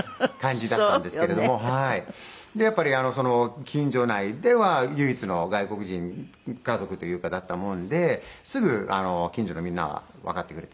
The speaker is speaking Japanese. やっぱり近所内では唯一の外国人家族というかだったもんですぐ近所のみんながわかってくれて。